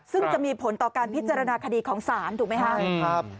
ซึ่งจะมีผลต่อการพิจารณาคดีของศาลถูกไหมครับ